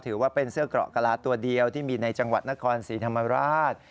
ถือว่าเป็นเสื้อเกราะกะลาตัวเดียวที่มีในจังหวัดนครศรีธรรมราช